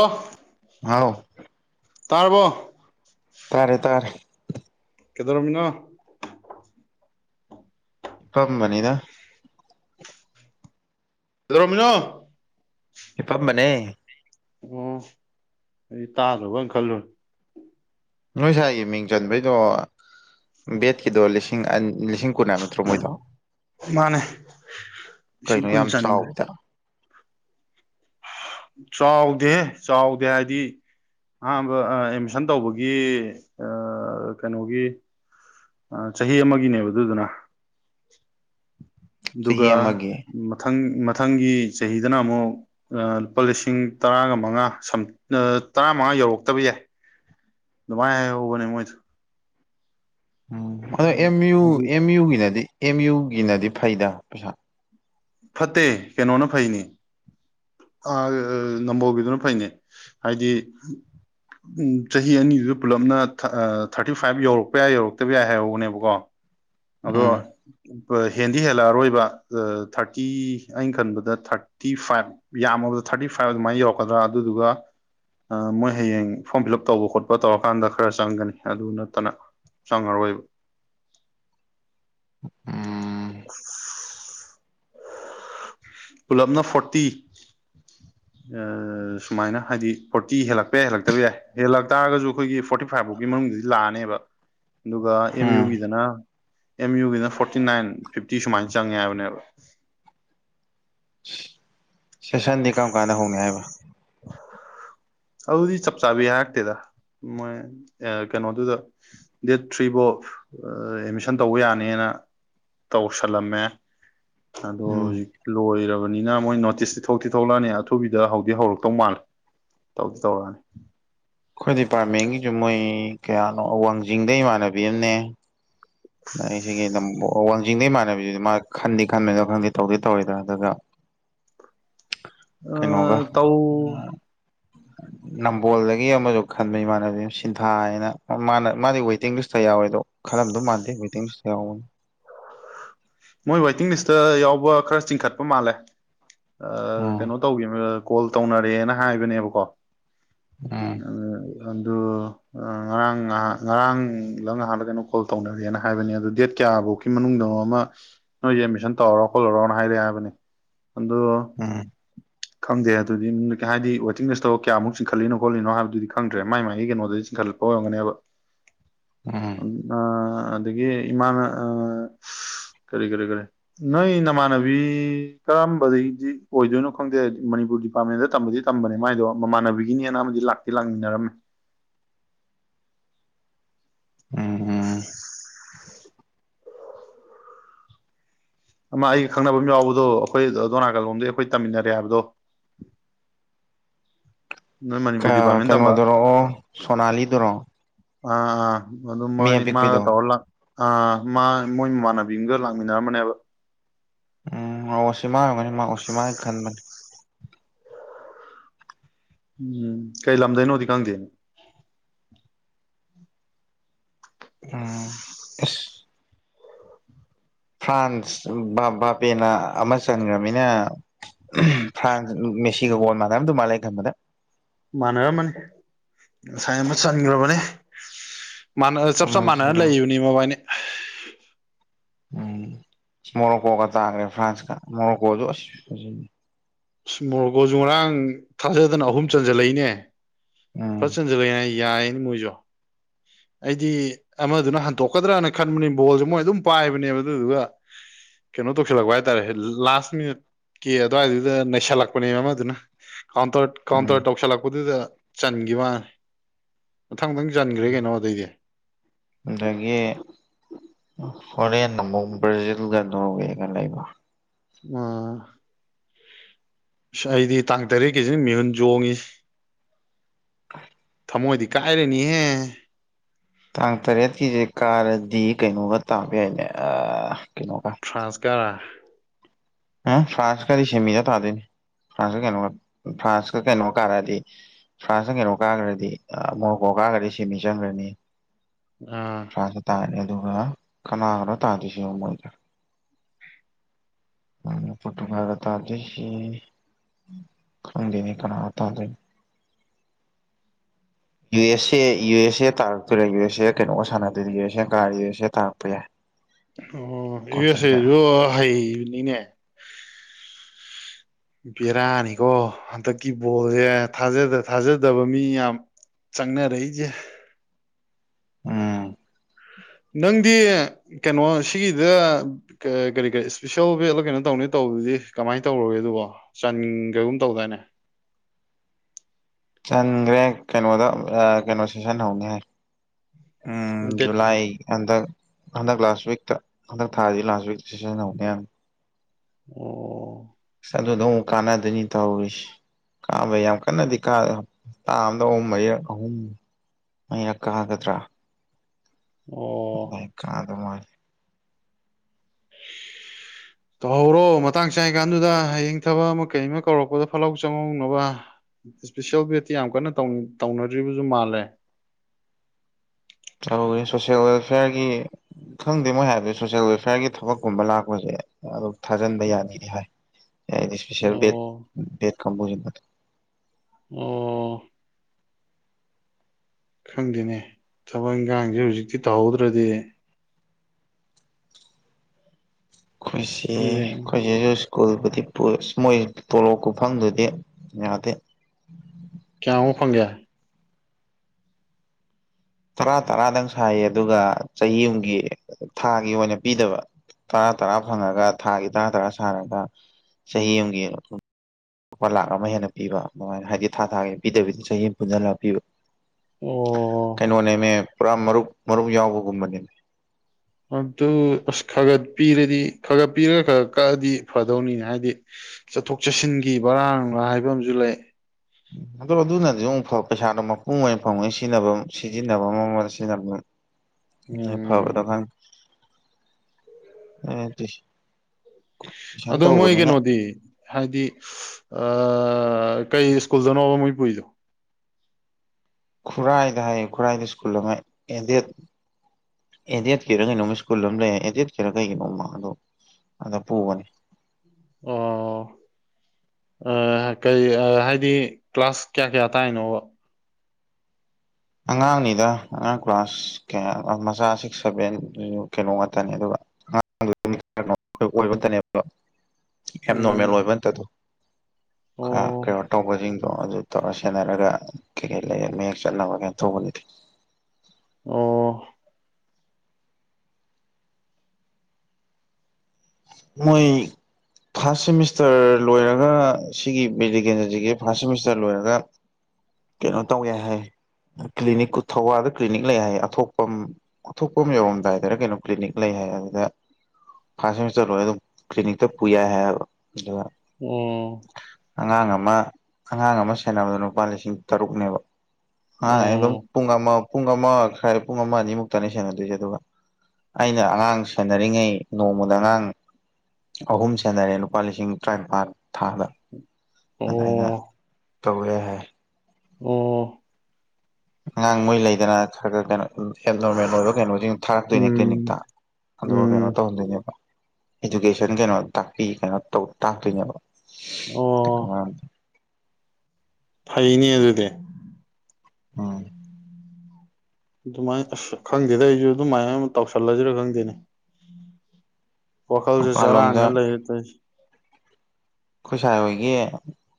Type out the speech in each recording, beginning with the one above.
ꯑꯣ ꯑꯥꯎ ꯇꯥꯔꯔꯕꯣ ꯇꯥꯔꯦ ꯇꯥꯔꯦ ꯀꯩꯗꯧꯔꯝꯃꯤꯅꯣ ꯍꯤꯝꯄꯝꯕꯅꯤꯗ ꯀꯩꯗꯧꯔꯝꯃꯤꯅꯣ ꯍꯤꯝꯄꯝꯕꯅꯦ ꯑꯣ ꯑꯩ ꯇꯥꯕꯣꯏꯅ ꯈꯜꯂꯨ ꯅꯣꯏ ꯁꯥꯥꯏꯒꯤ ꯃꯤꯡ ꯆꯟꯕꯩꯗꯣ ꯕꯦꯠꯀꯤꯗꯣ ꯂꯤꯁꯤꯡ ꯂꯤꯁꯤꯡ ꯀꯨꯟ ꯍꯥꯏꯕ ꯅꯠꯇ꯭ꯔꯣ ꯃꯣꯏꯗꯣ ꯃꯥꯅꯦ ꯂꯤꯁꯤꯡ ꯀꯩꯅꯣ ꯀꯨꯟ ꯌꯥꯝ ꯆꯟꯒ꯭ꯔꯦ ꯆꯥꯎꯋꯤꯗ ꯆꯥꯎꯗꯦꯍꯦ ꯆꯥꯎꯗꯦ ꯍꯥꯏꯗꯤ ꯑꯍꯥꯟꯕ ꯑꯦꯗꯃꯤꯁꯟ ꯇꯧꯕꯒꯤ ꯀꯩꯅꯣꯒꯤ ꯆꯍꯤ ꯑꯃꯒꯤꯅꯦꯕ ꯑꯗꯨꯗꯨꯅ ꯑꯗꯨꯒ ꯆꯍꯤ ꯑꯃꯒꯤ ꯃꯊꯪ ꯃꯊꯪꯒꯤ ꯆꯍꯤꯗꯅ ꯑꯃꯨꯛ ꯂꯨꯄꯥ ꯂꯤꯁꯤꯡ ꯇꯔꯥꯒ ꯃꯉꯥ ꯁ ꯇꯔꯥꯃꯉꯥ ꯌꯧꯔꯛꯇꯕ ꯌꯥꯏ ꯑꯗꯨꯃꯥꯏꯅ ꯍꯥꯏꯍꯧꯕꯅꯦ ꯃꯣꯏꯁꯨ ꯎꯝ ꯑꯗꯣ ꯑꯦꯝꯨ ꯍꯥꯏꯗꯤ ꯑꯦꯝꯌꯨꯒꯤꯅꯗꯤ ꯑꯦꯝꯌꯨꯒꯤꯅꯗꯤ ꯐꯩꯗ ꯄꯩꯁꯥ ꯐꯠꯇꯦ ꯀꯩꯅꯣꯅ ꯐꯩꯅꯤ ꯑ ꯅꯝꯕꯣꯜꯒꯤꯗꯨꯅ ꯐꯩꯅꯦ ꯍꯥꯏꯗꯤ ꯆꯍꯤ ꯑꯅꯤꯗꯨꯗ ꯄꯨꯂꯞꯅ ꯊꯥꯔꯇꯤ ꯐꯥꯏꯚ ꯌꯧꯔꯛꯄ ꯌꯥꯏ ꯌꯧꯔꯛꯇꯕ ꯌꯥꯏ ꯍꯥꯏꯔꯧꯕꯅꯦꯕꯀꯣ ꯑꯗꯣ ꯎꯝ ꯍꯦꯟꯗꯤ ꯍꯦꯜꯂꯛꯑꯔꯣꯏꯕ ꯊꯥꯔꯇꯤ ꯑꯩꯅ ꯈꯟꯕꯗ ꯊꯥꯔꯇꯤ ꯐꯥꯏꯚ ꯌꯥꯝꯃꯕꯗ ꯊꯥꯔꯇꯤ ꯐꯥꯏꯚ ꯑꯗꯨꯃꯥꯏꯅ ꯌꯧꯔꯛꯀꯗ꯭ꯔꯥ ꯑꯗꯨꯗꯨꯒ ꯃꯣꯏ ꯍꯌꯦꯡ ꯐꯣꯔꯝ ꯐꯤꯜ ꯎꯞ ꯇꯧꯕ ꯈꯣꯠꯄ ꯇꯧꯔꯀꯥꯟꯗ ꯈꯔ ꯆꯪꯒꯅꯤ ꯑꯗꯨ ꯅꯠꯇꯅ ꯁꯍꯔ ꯑꯣꯏꯕ ꯎꯝ ꯄꯨꯂꯞꯅ ꯐꯣꯔꯇꯤ ꯁꯨꯃꯥꯏꯅ ꯍꯥꯏꯗꯤ ꯐꯣꯔꯇꯤ ꯍꯦꯜꯂꯛꯄ ꯌꯥꯏ ꯍꯦꯜꯂꯛꯇꯕ ꯌꯥꯏ ꯍꯦꯜꯂꯛ ꯇꯥꯔꯒꯁꯨ ꯑꯩꯈꯣꯏꯒꯤ ꯐꯣꯔꯇꯤ ꯐꯥꯏꯚ ꯐꯥꯎꯒꯤ ꯃꯅꯨꯡꯗ ꯗꯨꯗꯤ ꯂꯥꯛꯑꯅꯦꯕ ꯑꯗꯨꯒ ꯑꯦꯝ ꯎꯝ ꯌꯨꯒꯤꯗꯅ ꯑꯦꯝ ꯌꯨꯒꯤꯅ ꯐꯣꯔꯇꯤ ꯅꯥꯏꯟ ꯐꯤꯐꯇꯤ ꯁꯨꯃꯥꯏꯅ ꯆꯪꯉꯦ ꯍꯥꯏꯕꯅꯦꯕ ꯁꯦꯁꯟꯗꯤ ꯀꯝꯀꯥꯟꯗ ꯍꯧꯅꯤ ꯍꯥꯏꯕ ꯑꯗꯨꯗꯤ ꯆꯞ ꯆꯥꯕꯤ ꯍꯥꯏꯔꯛꯇꯦꯗ ꯃꯣꯏ ꯀꯩꯅꯣꯗꯨꯗ ꯗꯦꯠ ꯊ꯭ꯔꯤ ꯐꯥꯎ ꯑꯦꯗꯃꯤꯁꯟ ꯇꯧꯕ ꯌꯥꯅꯤꯅ ꯇꯧꯁꯜꯂꯝꯃꯦ ꯑꯗꯣ ꯎꯝ ꯍꯧꯖꯤꯛ ꯂꯣꯏꯔꯕꯅꯤꯅ ꯃꯣꯏ ꯅꯣꯇꯤꯁ ꯊꯣꯛꯇꯤ ꯊꯣꯛꯂꯛꯑꯅꯤ ꯑꯊꯨꯕꯤꯗ ꯍꯧꯗꯤ ꯍꯧꯔꯛꯇꯧ ꯃꯥꯜꯂꯦ ꯇꯧꯗꯤ ꯇꯧꯔꯛꯑꯅꯤ ꯑꯩꯈꯣꯏ ꯗꯤꯄꯥ꯭ꯔꯠꯃꯦꯟꯒꯤꯁꯨ ꯃꯣꯏ ꯀꯌꯥꯅꯣ ꯋꯥꯡꯖꯤꯡꯗꯩ ꯏꯃꯥꯟꯅꯕꯤ ꯑꯃꯅꯦ ꯁꯤ ꯅ [unintelligible] ꯑꯣ ꯋꯥꯡꯖꯤꯡꯗꯩ ꯏꯃꯥꯟꯅꯕꯤꯁꯤꯗꯤ ꯃꯥ ꯈꯟꯗꯤ ꯈꯟꯕꯅꯦ ꯈꯪꯗꯦ ꯇꯧꯗꯣꯏꯔ ꯇꯧꯔꯣꯏꯗꯣꯏꯔ ꯑꯗꯨꯒ ꯑ ꯀꯩꯅꯣꯒ ꯇꯧ ꯅꯝꯕꯣꯜꯗꯒꯤ ꯑꯃꯁꯨ ꯈꯟꯕꯅꯦ ꯏꯃꯥꯟꯅꯕꯤ ꯁꯤꯟꯊꯥ ꯍꯥꯏꯅ ꯃꯥꯅ ꯃꯥꯗꯤ ꯋꯦꯇꯤꯡ ꯂꯤꯁꯇ ꯌꯥꯎꯋꯦꯗꯣ ꯈꯜꯂꯝꯗꯧ ꯃꯥꯟꯗꯦ ꯋꯦꯇꯤꯡ ꯂꯤꯥꯁꯇ ꯌꯥꯎꯕꯅꯦ ꯃꯣꯏ ꯋꯦꯇꯤꯡ ꯂꯤꯁꯇ ꯌꯥꯎꯕ ꯈꯔ ꯆꯤꯡꯈꯠꯄ ꯃꯥꯜꯂꯦ ꯎꯝ ꯀꯩꯅꯣ ꯇꯧꯒꯦ ꯀꯣꯜ ꯇꯧꯅꯔꯦꯅ ꯍꯥꯏꯕꯅꯦꯕꯀꯣ ꯎꯝ ꯑꯗꯨ ꯑꯗꯨ ꯉꯔꯥꯡ ꯉꯔꯥꯡ ꯂ ꯉꯍꯟꯂ ꯀꯩꯅꯣ ꯀꯣꯜ ꯇꯧꯅꯔꯦꯅ ꯍꯥꯏꯕꯅꯤ ꯑꯗꯨꯣ ꯗꯦꯠꯀꯤ ꯀꯌꯥꯐꯧꯀꯤ ꯃꯅꯨꯡꯗꯅꯣ ꯑꯃ ꯅꯣꯏꯁꯦ ꯑꯦꯗꯃꯤꯁꯟ ꯇꯧꯔꯣ ꯈꯣꯠꯂꯧꯅ ꯍꯥꯏꯔꯛꯑꯦ ꯍꯥꯏꯕꯅꯤ ꯑꯗꯨ ꯎꯝ ꯈꯪꯗꯦ ꯑꯗꯨꯗꯤ ꯍꯥꯏꯗꯤ ꯋꯦꯇꯤꯡ ꯂꯤꯁꯇꯣ ꯀꯌꯥꯃꯨꯛ ꯆꯤꯡꯈꯠꯂꯤꯅꯣ ꯈꯣꯠꯂꯤꯅꯣ ꯍꯥꯏꯕꯗꯨꯗꯤ ꯈꯪꯗ꯭ꯔꯦ ꯃꯥꯏ ꯃꯥꯏꯒꯤ ꯀꯩꯅꯣꯗ ꯆꯤꯡꯈꯠ ꯍꯂꯄ [unintelligible] ꯑꯣꯏꯔꯝꯒꯅꯦꯕ ꯎꯝ ꯑ ꯑꯥꯗꯒꯤ ꯏꯃꯥꯅ ꯑ ꯀꯔꯤ ꯀꯔꯤ ꯀꯔꯤ ꯅꯣꯏ ꯅꯃꯥꯟꯅꯕꯤ ꯀꯔꯝꯕꯗꯒꯤꯗꯤ ꯑꯣꯏꯗꯣꯏꯅꯣ ꯈꯪꯗꯦ ꯃꯅꯤꯄꯨꯔꯒꯤ ꯗꯤꯄꯥꯔꯠꯃꯦꯟꯗ ꯇꯝꯕꯗꯤ ꯇꯝꯕꯅꯦ ꯃꯥꯏꯗꯣ ꯃꯃꯥꯟꯅꯕꯤꯒꯤꯅꯦꯅ ꯑꯃꯗꯤ ꯂꯥꯛꯇꯤ ꯂꯥꯛꯃꯤꯟꯅꯔꯝꯃꯦ [unintelligible] ꯎꯝ [unintelligible] ꯑꯃ ꯑꯩꯒ ꯈꯪꯅꯕ ꯑꯃ ꯌꯥꯎꯕꯗꯣ ꯑꯩꯈꯣꯏ ꯑꯗꯣꯟ ꯅꯥꯀꯜꯂꯣꯝꯗꯒꯤ ꯑꯩꯈꯣꯏ ꯇꯝꯃꯤꯟꯅꯔꯦ ꯍꯥꯏꯕꯗꯣ ꯅꯣꯏ ꯃꯅꯤꯄꯨꯔ ꯑ ꯗꯤꯄꯥꯔꯠꯃꯦꯟ ꯇꯝꯕ ꯀꯩꯅꯣꯗꯨꯔꯣ ꯑꯣ ꯁꯣꯅꯥꯂꯤꯗꯨꯔꯣ ꯑ ꯑꯥ ꯑꯗꯨ ꯑꯗꯨ ꯃ ꯃꯤ ꯃꯥ ꯑꯄꯤꯛꯄꯤꯗꯣ ꯇꯣꯂ ꯑ ꯃꯥ ꯃꯣꯏ ꯃꯃꯥꯟꯅꯕꯤ ꯑꯃꯒ ꯂꯥꯛꯃꯤꯟꯅꯔꯝꯕꯅꯦꯕ ꯎꯝ ꯑꯣꯁꯤꯃꯥ ꯑꯣꯏꯔꯝꯒꯅꯤ ꯃꯥ ꯑꯣꯁꯤꯃꯥꯅ ꯈꯟꯕꯅꯤ ꯎꯝ ꯀꯩ ꯂꯝꯝꯗꯩꯅꯣꯗꯤ ꯈꯪꯗꯅꯤ ꯑꯁ ꯐ꯭ꯔꯥꯟꯁ ꯕꯥꯕꯦꯅ ꯑꯃ ꯆꯟꯈ꯭ꯔꯅꯤꯅ ꯐ꯭ꯔꯥꯟꯁ ꯃꯦꯁꯤꯒ ꯒꯣꯜ ꯃꯥꯟꯅꯗꯨ ꯃꯥꯜꯂꯦ ꯈꯟꯕꯗ ꯃꯥꯟꯅꯔꯝꯃꯅꯤ ꯉꯁꯥꯏ ꯑꯃ ꯆꯟꯈ꯭ꯔꯕꯅꯤ ꯆꯞ ꯑꯃ ꯆꯞ ꯃꯥꯟꯅꯅ ꯖꯦꯔꯣ ꯂꯩꯕꯅꯤ ꯃꯕꯥꯏꯅꯤ ꯎꯝ ꯃꯣꯔꯣꯛꯀꯣꯒ ꯇꯥꯒ꯭ꯔꯦ ꯐ꯭ꯔꯥꯟꯁ ꯀ ꯃꯣꯔꯣꯛꯀꯣꯒꯨ ꯑꯖ ꯃꯣꯔꯣꯛꯀꯣꯖꯨ ꯉꯔꯥꯡ ꯊꯥꯖꯗꯅ ꯑꯍꯨꯝ ꯆꯟꯖꯜꯂꯛꯏꯅꯦ ꯎꯝ ꯐꯠꯆꯟꯖꯜꯂꯛ ꯑꯦꯅ ꯌꯥꯏꯅꯦ ꯃꯣꯏꯖꯨ ꯑꯩꯗꯤ ꯑꯃꯗꯨꯅ ꯍꯟꯇꯣꯛꯀꯗ꯭ꯔꯅ ꯈꯟꯕꯅꯤ ꯕꯣꯜꯁꯨ ꯃꯣꯏꯅ ꯑꯗꯨꯝ ꯄꯥꯏꯕꯅꯦꯕ ꯑꯗꯨꯗꯨꯒ ꯀꯩꯅꯣ ꯇꯧꯁꯤꯜꯂꯛꯄ ꯍꯥꯏꯇꯥꯔꯦ ꯂꯥꯁ ꯃꯤꯅꯤꯠ ꯀꯦ ꯑꯗꯨꯋꯥꯏꯗꯨꯗ ꯅꯩꯁꯜꯂꯛꯄꯅꯦꯕ ꯑꯃꯗꯨꯅ ꯀꯥꯎꯟꯇꯔ ꯎꯝ ꯀꯥꯎꯟꯇꯔ ꯇꯧꯁꯜꯂꯛꯄꯗꯨꯗ ꯆꯟꯈꯤꯕ ꯃꯥꯅꯤ ꯃꯊꯪ ꯃꯊꯩ ꯆꯟꯈ꯭ꯔꯦ ꯀꯩꯅꯣ ꯑꯗꯩꯗꯤ ꯑꯗꯒꯤ ꯍꯣꯔꯦꯟ ꯑꯃꯨꯛ ꯕ꯭ꯔꯥꯖꯤꯜꯒ ꯅꯣꯔꯋꯦꯒ ꯂꯩꯕ ꯑꯥ ꯑꯁ ꯑꯩꯗꯤ ꯇꯥꯡ ꯇꯔꯦꯠ ꯀꯦꯖꯤꯅ ꯃꯤꯍꯨꯟ ꯆꯣꯡꯉ ꯊꯃꯣꯏꯗꯤ ꯀꯥꯏꯔꯅꯤꯍꯦ ꯇꯥꯡ ꯇꯔꯦꯠꯀꯤꯁꯦ ꯀꯥꯔꯗꯤ ꯀꯩꯅꯣꯒ ꯇꯥꯕ ꯌꯥꯏꯅꯦ ꯑ ꯐ꯭ꯔꯥꯟꯁ ꯀꯔꯥ ꯑ ꯐꯁꯀꯔꯤ ꯁꯦꯃꯤꯗ ꯇꯥꯗꯅ ꯐ꯭ꯔꯥꯟꯁꯀ ꯀꯩꯅꯣ ꯐ꯭ꯔꯥꯟꯁꯀ ꯀꯩꯅꯣ ꯀꯥꯔꯛꯑꯗꯤ ꯐ꯭ꯔꯥꯟꯁꯅ ꯀꯩꯅꯣ ꯀꯥꯈ꯭ꯔꯗꯤ ꯃꯣꯔꯣꯀꯣ ꯀꯥꯈ꯭ꯔꯗꯤ ꯁꯤꯃꯤ ꯆꯪꯈ꯭ꯔꯅꯤ ꯑꯥ ꯄꯥꯁꯦ ꯇꯥꯅꯤ ꯑꯗꯨꯒ ꯀꯅꯥꯒꯅꯣ ꯇꯥꯗꯣꯏ ꯁꯤ ꯑꯣꯏꯗꯔꯦ ꯎ ꯄꯨꯇ ꯉꯔ ꯇꯥꯗꯁꯤ ꯈꯪꯗꯅꯤ ꯀ ꯇꯗ U S A U S A ꯇꯥꯔꯛꯇꯣꯏꯔ ꯌꯨ ꯑꯦꯁ ꯑꯦ ꯀꯩꯅꯣꯒ ꯁꯥꯟꯅꯗꯣꯏꯗꯤ ꯌꯨ ꯑꯦꯁ ꯑꯦ ꯀꯥ ꯌꯨ ꯑꯦꯁ ꯑꯦ ꯇꯥꯔꯛꯄ ꯌꯥꯏ ꯑꯣ ꯀ꯭ꯋꯥꯇꯔꯗ ꯏꯁꯦꯁꯨꯣ ꯍꯩꯅꯤꯅꯦ ꯕꯦꯔꯥꯅꯤꯀꯣ ꯍꯟꯗꯛꯀꯤ ꯕꯣꯜꯁꯦꯥꯖ ꯊꯥꯖꯗꯕ ꯃꯤ ꯌꯥꯝ ꯆꯪꯅ ꯔꯍꯤꯁꯦ ꯎꯝ ꯅꯪꯗꯤ ꯀꯩꯅꯣ ꯁꯤꯒꯤꯗ ꯀꯔꯤ ꯀꯔꯤ ꯏꯁꯄꯤꯁꯦꯜ ꯕꯦꯜꯂꯣ ꯀꯩꯅꯣ ꯇꯧꯅꯤ ꯇꯧꯕ ꯑꯗꯨꯗꯤ ꯀꯃꯥꯏꯅ ꯇꯧꯔꯒꯦ ꯑꯗꯨꯕꯣ ꯆꯟ ꯀꯩꯒꯨꯝ ꯇꯧꯗꯥꯏꯅꯦ ꯆꯪꯈ꯭ꯔꯦ ꯀꯩꯅꯣꯗ ꯀꯩꯅꯣ ꯁꯦꯁꯟ ꯍꯧꯅꯤꯦ ꯍꯥꯏ ꯎꯝ ꯗꯦꯠ ꯀꯌꯥ ꯖꯨꯂꯥꯏ ꯑꯗ ꯍꯟꯗꯛ ꯂꯥꯁ ꯋꯤꯛꯇ ꯍꯟꯗꯛ ꯊꯥꯁꯤ ꯂꯥꯁ ꯋꯤꯛꯇ ꯁꯤꯖꯤꯟꯅꯍꯧꯅꯦ ꯑꯣ ꯀ ꯑꯗꯨꯗ ꯀꯥꯟꯗꯅꯤ ꯇꯧꯋꯁ ꯀꯥꯕꯩ ꯌꯥꯝ ꯀꯟꯅꯗꯤ ꯀꯥ ꯍꯞꯇꯥ ꯑꯗ ꯑꯍꯨꯝ ꯃ ꯑꯍꯨꯝ ꯃꯩꯔꯛꯀꯒꯗ꯭ꯔꯥ ꯑꯣ ꯀꯥ ꯑꯗꯨ ꯃꯥ [unintelligible] ꯇꯧꯍꯧꯔꯣ ꯃꯇꯥꯡ ꯆꯥꯀꯥꯟꯗꯨꯗ ꯍꯌꯦꯡ ꯊꯕꯛ ꯑꯃ ꯀꯩ ꯑꯃ ꯀꯧꯔꯛꯄꯗ ꯐꯠꯍꯧ ꯆꯪꯍꯧꯅꯕ ꯏꯁꯄꯤꯁꯦꯜ ꯕꯦꯠꯇꯤ ꯌꯥꯝ ꯀꯟꯅ ꯇꯧꯅꯗ꯭ꯔꯤꯕꯁꯨ ꯃꯥꯜꯂꯦ ꯁꯣꯁꯦꯜ ꯋꯦꯜꯐꯤꯌꯥꯔꯒꯤ ꯈꯪꯗꯦ ꯃꯣꯏ ꯍꯥꯏꯕꯗꯤ ꯁꯣꯁꯦꯜ ꯋꯦꯜꯐꯤꯌꯥꯔꯒꯤ ꯊꯕꯛꯀꯨꯝꯕ ꯂꯥꯛꯄꯁꯦ [unintelligible] ꯊꯥꯖꯤꯟꯕ ꯌꯥꯅꯤꯦ ꯍꯥꯏ ꯏꯁꯄꯤꯁꯦꯜ ꯕꯦꯠ ꯑꯣ ꯕꯦꯠ ꯀꯝꯕꯨꯣꯖꯤꯟꯗ ꯑꯣ ꯈꯪꯗꯦꯅꯦ ꯊꯕꯛ ꯏꯟꯈꯥꯡꯁꯦ ꯍꯧꯖꯤꯛꯇꯤ ꯇꯧꯍꯧꯗ꯭ꯔꯗꯤ ꯈꯣꯏꯁꯤꯦ ꯈꯣꯏꯁꯤꯁꯨ ꯁ꯭ꯀꯨꯜꯕꯨꯗꯤ ꯃꯣꯏ ꯄꯣꯂꯣꯞ ꯀꯐꯝꯗꯨꯗꯤ ꯌꯥꯗꯦ ꯀꯌꯥ ꯍꯨ ꯐꯪꯒꯌꯥ ꯇꯔꯥ ꯇꯔꯥꯗꯪ ꯁꯥꯏꯌꯦ ꯑꯗꯨꯒ ꯆꯍꯤ ꯑꯨꯝꯒꯤ ꯊꯥꯒꯤ ꯑꯣꯏꯅ ꯄꯤꯗꯕ ꯇꯔꯥ ꯇꯔꯥ ꯐꯪꯉꯒ ꯊꯥꯒꯤ ꯇꯔꯥ ꯇꯔꯥ ꯁꯥꯔꯒ ꯆꯍꯤ ꯑꯃꯒꯤ ꯌꯦꯛꯂꯛꯄ ꯂꯨꯄꯥ ꯂꯥꯛ ꯑꯃ ꯍꯦꯟꯅ ꯄꯤꯕ ꯑꯗꯨꯃꯥꯏꯅ ꯍꯥꯏꯗꯤ ꯊꯥ ꯊꯥꯒꯤ ꯄꯤꯗꯕꯤꯗ ꯆꯍꯤ ꯑꯃ ꯄꯨꯟꯟꯅ ꯂꯥꯛꯄꯤꯕ ꯑꯣ ꯀꯩꯅꯣꯅꯦꯅꯦ ꯄꯨꯔꯥ ꯃꯔꯨꯞ ꯃꯔꯨꯞ ꯌꯥꯎꯕꯒꯨꯝꯕꯅꯦꯅꯦ ꯑꯗꯨ ꯑꯁ ꯈꯥꯒꯠꯄꯤꯔꯗꯤ ꯈꯥꯒꯠꯄꯤꯔꯒ ꯈꯥꯒꯠ ꯀꯛꯑꯗꯤ ꯐꯗꯧꯅꯤꯅꯦ ꯍꯥꯏꯗꯤ ꯆꯠꯊꯣꯛ ꯆꯠꯁꯤꯟꯒꯤ ꯕꯔꯥꯡꯒ ꯍꯥꯏꯕ ꯑꯃꯁꯨ ꯂꯩ ꯑꯗꯣ ꯑꯗꯨꯅꯗꯤ ꯑꯃꯨꯛ ꯄꯩꯁꯥꯗꯣ ꯃꯄꯨꯡ ꯑꯣꯏꯅ ꯐꯪꯉ ꯁꯤꯖꯤꯟꯅꯕ ꯁꯤꯖꯤꯟꯅꯕ ꯑꯃꯗ ꯁꯤꯟꯅꯕ ꯑ ꯐꯕ ꯎꯝ ꯇ ꯊꯪ ꯑ ꯑꯗꯣ ꯃꯣꯏ ꯀꯩꯅꯣꯗꯤ ꯍꯥꯏꯗꯤ ꯑ ꯀꯩ ꯁ꯭ꯀꯨꯜꯗꯅꯣꯕ ꯃꯣꯏ ꯄꯨꯏꯗꯣ ꯈꯨꯔꯥꯏꯗ ꯍꯥꯏꯌꯦ ꯈꯨꯔꯥꯏꯗ ꯁ꯭ꯀꯨꯜ ꯑꯃ ꯑꯦꯗꯦꯠ ꯑꯦꯗꯤꯠ ꯀꯦꯔ ꯀꯩꯅꯣꯃ ꯁ꯭ꯀꯨꯜ ꯑꯃ ꯂꯩ ꯑꯦꯗꯤꯠ ꯀꯔꯒ ꯀꯩꯒꯤꯩꯅꯣꯃꯗꯣ ꯑꯗ ꯄꯒꯅꯤ ꯑꯣ ꯀꯔꯤ ꯍꯥꯏꯗꯤ ꯀ꯭ꯂꯥꯁ ꯀꯌꯥ ꯀꯌꯥ ꯇꯥꯏꯅꯣꯕ ꯑꯉꯥꯡꯅꯤꯗ ꯑꯉꯥꯡ ꯀ꯭ꯂꯥꯁ ꯀ ꯃꯆꯥ ꯁꯤꯛꯁ ꯁꯚꯦꯟ ꯀꯩꯅꯣ ꯉꯥꯛꯇꯅꯦ ꯑꯗꯨꯒ ꯑꯣꯏꯕꯇꯅꯦꯕ [unintelligible] ꯌꯥꯝ ꯎꯝ ꯅꯣꯔꯃꯦꯜ ꯑꯣꯏꯕ ꯅ ꯇꯣ ꯀꯩꯅꯣ ꯑꯣ ꯇꯧꯕꯁꯤꯡꯗꯣ ꯑꯗꯨ ꯇꯧꯔ ꯁꯦꯟꯅꯔꯒ ꯀꯩ ꯀꯩ ꯂꯩ ꯃꯌꯦꯛ ꯆꯠꯅꯕ ꯇꯣꯡꯉꯅꯤ ꯊ ꯑꯣ ꯃꯣꯏ ꯐꯥꯔꯁ ꯁꯦꯃꯤꯁꯇꯔ ꯂꯣꯏꯔꯒ ꯁꯤꯒꯤ ꯃꯦꯗꯤꯀꯦꯜ ꯆꯖꯤꯒꯦ ꯐꯥꯔꯁ ꯁꯦꯃꯤꯁꯇꯔ ꯂꯣꯏꯔꯒ ꯀꯩꯅꯣ ꯇꯧꯋꯦ ꯍꯥꯏ ꯀ꯭ꯂꯤꯅꯤꯛ ꯊꯧꯕꯥꯜꯗ ꯀ꯭ꯂꯤꯅꯤꯛ ꯂꯩ ꯍꯥꯏ ꯑꯇꯣꯄꯝ ꯑꯇꯣꯄꯝ ꯌꯧꯔꯝꯗꯥꯏꯗꯔ ꯀꯩꯅꯣ ꯀ꯭ꯂꯤꯅꯤꯛ ꯂꯩ ꯌꯥ ꯑꯗꯨꯗ ꯐꯥꯔ ꯁꯤꯃꯤ ꯆꯠꯂꯨꯔ ꯑꯗꯨꯝ ꯀ꯭ꯂꯤꯅꯤꯛꯇ ꯄꯨ ꯌꯥꯏ ꯍꯥꯏꯕ ꯑꯗꯨꯒ ꯎꯝ ꯑꯉꯥꯡ ꯑꯃ ꯑꯉꯥꯡ ꯑꯃ ꯁꯦꯟꯅꯕꯗ ꯂꯨꯄꯥ ꯂꯤꯁꯤꯡ ꯇꯔꯨꯛꯅꯦꯕ ꯍꯥꯏ ꯑꯗꯨꯝ ꯑꯣ ꯄꯨꯡ ꯑꯃ ꯄꯨꯡ ꯑꯃ ꯍꯥꯏꯔꯦ ꯄꯨꯡ ꯑꯃ ꯑꯅꯤꯃꯨꯛꯇꯅꯤ ꯁꯦꯡꯟꯅꯗꯣꯏꯁꯦ ꯑꯗꯨꯒ ꯑꯩꯅ ꯑꯉꯥꯡ ꯁꯦꯟꯅꯔꯤꯉꯩ ꯅꯣꯡꯃꯗ ꯑꯉꯥꯡ ꯑꯍꯨꯝ ꯁꯦꯟꯅꯔꯦ ꯂꯨꯄꯥ ꯂꯤꯁꯤꯡ ꯇꯔꯥꯅꯤꯄꯥꯥ ꯊꯥꯗ ꯑꯗꯨꯃꯥꯏꯅ ꯑꯣ ꯇꯧꯋꯦ ꯍꯥꯏ ꯑꯣ ꯑꯉꯥꯡ ꯃꯣꯏ ꯂꯩꯗꯅ ꯈꯔ ꯈꯔ ꯀꯩꯅꯣ ꯑꯦ ꯅꯣꯔꯃꯦꯜ ꯑꯣꯏꯕ ꯀꯩꯅꯣꯁꯤꯡ ꯊꯥꯔꯛꯇꯣꯏꯅꯦ ꯀ꯭ꯂꯤꯅꯤꯛꯇ ꯎꯝ ꯑꯗꯨꯒ ꯀꯩꯅꯣ ꯎꯝ ꯇꯧꯍꯟꯗꯣꯏꯅꯦꯕ ꯏꯗꯨꯀꯦꯁꯟ ꯀꯩꯅꯣ ꯇꯥꯛꯄꯤ ꯀꯩꯅꯣ ꯇꯥꯛꯇꯣꯏꯅꯦꯕ ꯑ ꯐꯩꯅꯤ ꯑꯗꯨꯗ ꯑ ꯑꯗꯨꯃꯥꯏꯅ ꯑꯁ ꯈꯪꯗꯦꯗ ꯑꯩꯁꯨ ꯑꯗꯨꯃꯥꯏꯅ ꯑꯃ ꯇꯧꯁꯜꯂꯁꯤꯔ ꯈꯪꯗꯦꯅꯦ ꯋꯥꯈꯜꯁꯦ ꯃꯄꯥꯟꯂꯣꯝꯗ ꯆꯔꯥꯡꯅ ꯂꯩꯌꯦꯦ ꯇꯇꯩ ꯈꯨꯣꯏꯁꯥꯏ ꯑꯣꯏꯒꯦ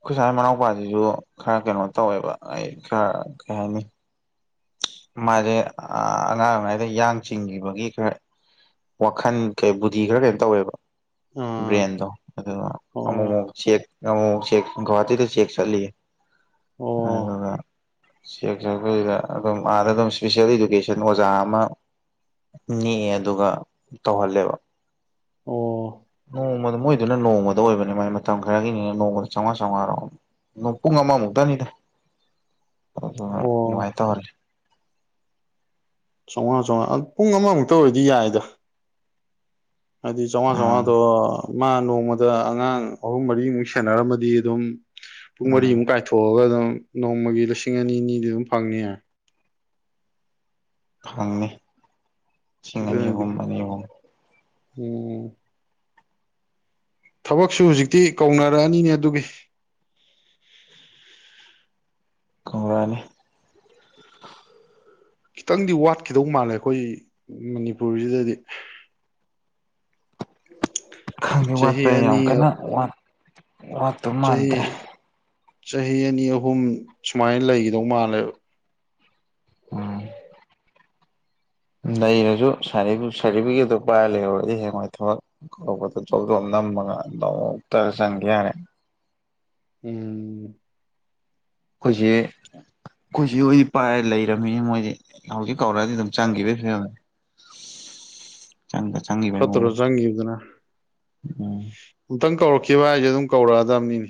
ꯈꯨꯠꯁꯥꯏ ꯃꯅꯥꯎꯄꯥꯁꯤꯁꯨ ꯈꯔ ꯀꯩꯅꯣ ꯇꯧꯋꯦꯕ ꯑꯩ ꯈꯔ ꯀꯩ ꯍꯥꯏꯅꯤ ꯃꯥꯁꯦ ꯑꯉꯥꯡ ꯑꯣꯏꯔꯤꯉꯩꯗ ꯌꯥꯡ ꯆꯤꯡꯈꯤꯕꯒꯤ ꯈꯔ ꯋꯥꯈꯜ ꯀꯩ ꯕꯨꯙꯤ ꯈꯔ ꯀꯩꯅꯣ ꯇꯧꯋꯦꯕ ꯑꯥ ꯕ꯭ꯔꯦꯟꯗꯣ ꯑꯗꯨꯒ ꯑꯃꯨꯛ ꯑꯃꯨꯛ ꯑꯣ ꯆꯦꯛ ꯉꯨ ꯆꯦꯛ ꯒꯧꯍꯥꯇꯤꯗ ꯆꯦꯛ ꯆꯠꯂꯤ ꯑꯣ ꯑꯗꯨꯒ ꯁꯦꯛ ꯁꯛꯄꯁꯤꯗ ꯑꯗꯨꯝ ꯑꯥꯗ ꯑꯗꯨꯝ ꯏꯁꯄꯤꯁꯦꯜ ꯏꯗꯨꯀꯦꯁꯟ ꯑꯣꯖꯥ ꯑꯃ ꯅꯦꯛꯑꯦ ꯑꯗꯨꯒ ꯇꯧꯍꯜꯂꯦꯕ ꯑꯣ ꯎ ꯅꯣꯡꯗ ꯃꯣꯏꯗꯨꯅ ꯅꯣꯡꯃꯗ ꯑꯣꯏꯕꯅꯦ ꯃꯥꯏ ꯃꯇꯝ ꯈꯔꯒꯤꯅꯤꯅ ꯅꯣꯡꯗ ꯆꯥꯝꯃꯉꯥ ꯆꯥꯝꯃꯉꯥꯔꯣ ꯄꯨꯡ ꯑꯃꯃꯨꯛꯇꯅꯤꯗ [inaudible] ꯑꯣ ꯑꯣ ꯂꯅꯨꯡꯥꯏ ꯆꯥꯝꯃꯉꯥ ꯆꯥꯝꯃꯉꯥ ꯄꯨꯡ ꯑꯃꯃꯨꯛꯇ ꯑꯣꯏꯗꯤ ꯌꯥꯏꯗ ꯍꯥꯏꯗꯤ ꯆꯉ ꯑꯥ ꯆꯣ ꯃꯥ ꯅꯣꯡꯃꯗ ꯑꯉꯥꯡ ꯑꯍꯨꯝ ꯃꯔꯤꯃꯨꯛ ꯁꯦꯟꯅꯔꯝꯃꯗꯤ ꯑꯗꯨꯝ ꯄꯨꯡ ꯎꯝ ꯃꯔꯤꯃꯨꯛ ꯀꯥꯏꯊꯣꯛꯑꯒ ꯑꯗꯨꯝ ꯅꯣꯡꯃꯒꯤ ꯂꯤꯁꯤꯡ ꯑꯅꯤ ꯑꯅꯤꯗꯤ ꯑꯗꯨꯝ ꯐꯪꯅꯤ ꯈꯪꯅꯤ ꯂꯤꯁꯤꯡ ꯑꯅꯤ ꯑꯗꯨꯅꯗꯤ ꯑꯍꯨꯝ ꯑꯅꯤ ꯑꯍꯨꯝ ꯎꯝ ꯊꯕꯛꯁꯨ ꯍꯧꯖꯤꯛꯇꯤ ꯀꯧꯅꯔꯛꯑꯅꯤꯅꯦ ꯑꯗꯨꯒꯤ ꯀꯨꯝꯂꯥꯅꯤꯦ ꯈꯤꯇꯪꯗꯤ ꯋꯥꯠꯈꯤꯗꯧ ꯃꯥꯜꯂꯦ ꯑꯩꯈꯣꯏ ꯃꯅꯤꯄꯨꯔꯁꯤꯗꯗꯤ ꯈꯖꯤ ꯆꯍꯤ ꯋꯥꯠꯄ ꯌꯥꯝ ꯑꯅꯤ ꯀꯟꯅ ꯋꯥꯠꯇ ꯆꯍꯤ ꯃꯥꯟꯗ꯭ꯔꯦ ꯆꯍꯤ ꯑꯅꯤ ꯑꯍꯨꯝ ꯁꯨꯃꯥꯏꯅ ꯂꯩꯈꯤꯗꯧ ꯃꯥꯜꯂꯦꯕ ꯎꯝ ꯅꯔꯁꯨ ꯁꯥꯔꯇꯤꯐꯤꯀꯦꯠꯇꯣ ꯄꯥꯏꯔ ꯂꯩꯔꯨꯔꯗꯤ ꯍꯦꯡꯋꯥꯏ ꯊꯕꯛꯗ ꯃꯒꯛꯇꯔꯁꯈ꯭ꯅꯦ ꯎꯝ ꯑꯩꯏꯁ ꯑꯩꯈꯣꯏꯁꯨ ꯑꯣꯏꯗꯤ ꯄꯥꯏ ꯂꯩꯔꯝꯃꯤꯅꯦ ꯃꯣꯏꯗꯤ ꯍꯧꯖꯤꯛ ꯀꯧꯔꯛꯑꯗꯤ ꯑꯗꯨꯝ ꯆꯪꯈꯤꯕꯒꯤ ꯐ [inaudible] ꯐꯠꯇꯣ ꯃꯑꯣꯡ ꯆꯪ ꯑꯗꯨꯗꯨꯅ ꯎꯝ ꯑꯃꯨꯛꯇꯪ ꯀꯧꯔꯛꯈꯤꯕ ꯍꯥꯏꯁꯦ ꯑꯗꯨꯝ ꯀꯧꯔꯛꯑꯗꯕꯅꯤꯅꯤ